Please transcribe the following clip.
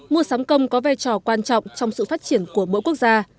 mùa sắm công có vai trò quan trọng trong sự phát triển của bộ quốc gia